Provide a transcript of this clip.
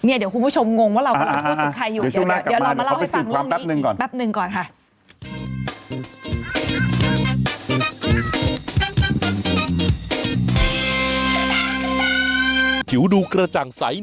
เดี๋ยวคุณผู้ชมงงว่าเราก็ไม่รู้จักใครอยู่